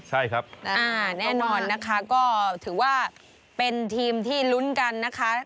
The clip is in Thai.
ใช่ครับอ่าน่านะคะก็ถือทีมที่ลุ้นกันนะคะ